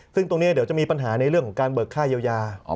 ซึ่งตรงนี้เดี๋ยวจะมีปัญหาในเรื่องของการเบิกค่าเยียวยา